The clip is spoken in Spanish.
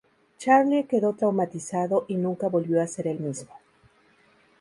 Charlie quedó traumatizado y nunca volvió a ser el mismo.